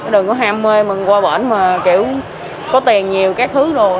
đừng có ham mê mình qua bển mà kiểu có tiền nhiều các thứ đâu